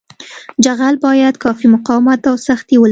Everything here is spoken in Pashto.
جغل باید کافي مقاومت او سختي ولري